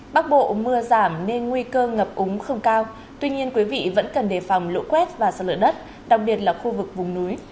bắc bộ mưa giảm nên nguy cơ ngập úng không cao tuy nhiên quý vị vẫn cần đề phòng lũ quét và sạt lở đất đặc biệt là khu vực vùng núi